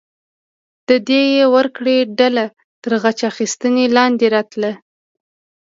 د دیه ورکړې ډله تر غچ اخیستنې لاندې راتله.